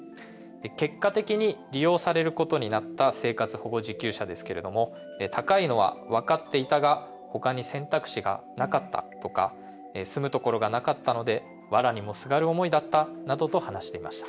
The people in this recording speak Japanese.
結果的に利用されることになった生活保護受給者ですけれども高いのは分かっていたが他に選択肢がなかったとか住むところがなかったのでわらにもすがる思いだったなどと話していました。